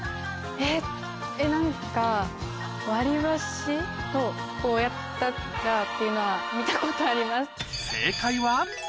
えっ何か。をこうやったらっていうのは見たことあります。